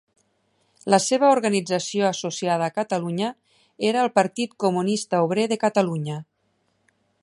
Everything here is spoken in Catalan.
La seva organització associada a Catalunya era el Partit Comunista Obrer de Catalunya.